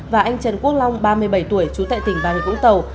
và anh trần quốc long ba mươi bảy tuổi trú tại tỉnh bà rịa vũng tàu